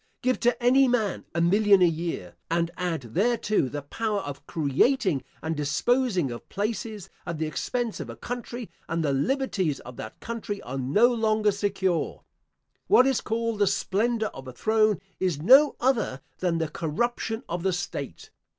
Give to any man a million a year, and add thereto the power of creating and disposing of places, at the expense of a country, and the liberties of that country are no longer secure. What is called the splendour of a throne is no other than the corruption of the state.